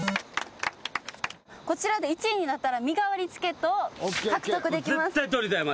こちらで１位になったら身代わりチケットを獲得できます。